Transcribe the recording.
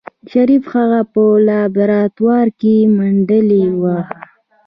شريف هغه په لابراتوار کې منډلې وه.